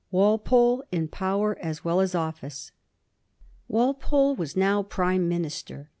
WALPOLE IN POWER AS WELL AS OFFICE. Walpolb was now prime minister.